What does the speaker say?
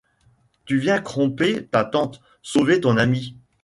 Tu viens cromper ta tante, sauver ton ami.